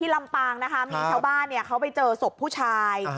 ลำปางนะคะมีชาวบ้านเขาไปเจอศพผู้ชาย